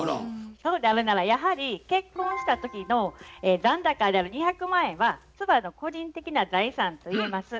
そうであるならやはり結婚した時の残高である２００万円は妻の個人的な財産といえます。